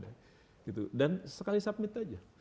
nah gitu dan sekali submit aja